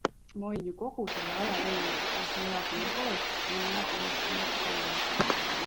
Ma olin ju kogu selle aja Venusega, me elasime koos ja ma nägin, mis temaga toimus.